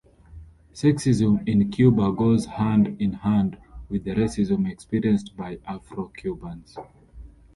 Sexism in Cuba goes hand in hand with the racism experienced by Afro-Cubans.